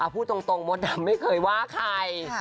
พูดตรงมดดำไม่เคยว่าใคร